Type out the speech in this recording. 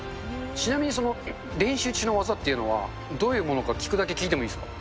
ちなみにその練習中の技っていうのは、どういうものか、聞くだけ聞いてもいいですか。